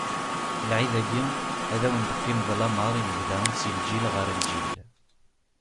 Lɛid-agi, ad wen-d-teqqim d lameṛ i lebda si lǧil ɣer lǧil.